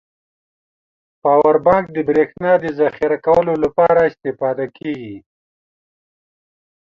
پاور بانک د بريښنا د زخيره کولو لپاره استفاده کیږی.